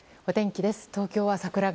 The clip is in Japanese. お天気です。